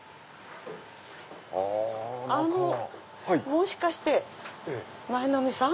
もしかして舞の海さん？